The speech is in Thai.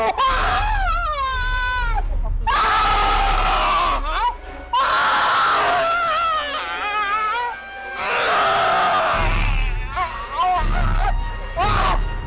ป้าเปล่า